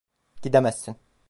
Gidemezsin.